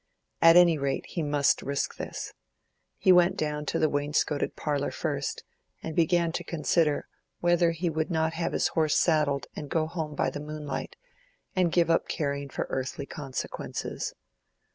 At any rate he must risk this. He went down into the wainscoted parlor first, and began to consider whether he would not have his horse saddled and go home by the moonlight, and give up caring for earthly consequences.